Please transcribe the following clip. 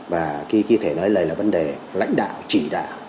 và khi thể nói lời là vấn đề lãnh đạo chỉ đạo